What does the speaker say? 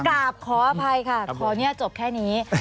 กลับขออภัยค่ะขอเนี่ยจบแค่นี้